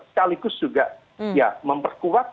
sekaligus juga memperkuat